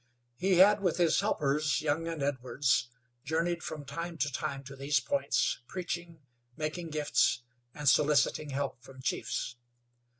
He had, with his helpers, Young and Edwards, journeyed from time to time to these points, preaching, making gifts, and soliciting help from chiefs.